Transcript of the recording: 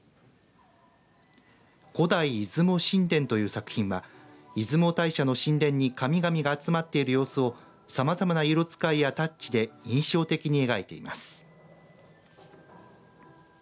古代出雲神殿という作品は出雲大社の神殿に神々が集まっている様子をさまざまな色使いやタッチで印象的に描いています。